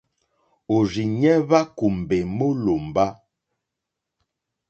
Òrzìɲɛ́ hwá kùmbè mólòmbá.